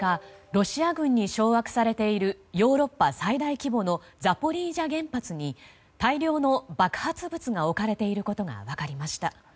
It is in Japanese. ロシア軍に掌握されているヨーロッパ最大規模のザポリージャ原発に大量の爆発物が置かれていることが分かりました。